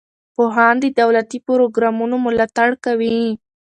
پوهان د دولتي پروګرامونو ملاتړ کوي.